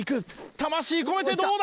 魂込めてどうだ？